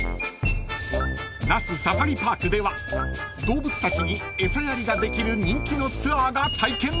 ［那須サファリパークでは動物たちに餌やりができる人気のツアーが体験できます］